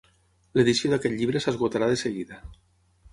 L'edició d'aquest llibre s'esgotarà de seguida.